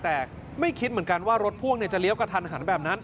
แต่ไม่คิดเหมือนกันว่ารถพ่วงจะเลี้ยวกระทันหันแบบนั้น